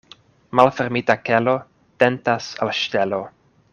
Malfermita kelo tentas al ŝtelo.